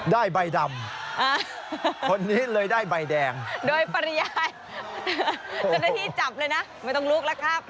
ได้ใบดำคนนี้เลยได้ใบแดงโดยปริยายเจ้าหน้าที่จับเลยนะไม่ต้องลุกแล้วครับ